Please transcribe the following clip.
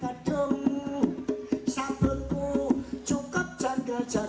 menkedung sabunku cukup jadul jadung